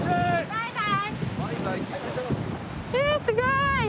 えすごい！